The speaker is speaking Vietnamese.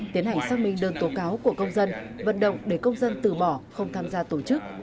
tiến hành xác minh đơn tố cáo của công dân vận động để công dân từ bỏ không tham gia tổ chức